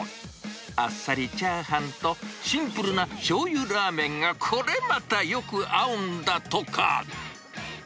あっさりチャーハンと、シンプルなしょうゆラーメンがこれまたよく合うんだとか。